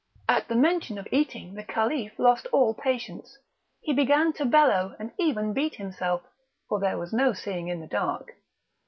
At the mention of eating the Caliph lost all patience; he began to bellow, and even beat himself (for there was no seeing in the dark).